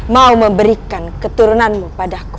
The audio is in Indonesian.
mau memberikan keturunanmu padaku